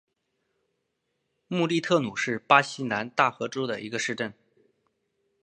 穆利特努是巴西南大河州的一个市镇。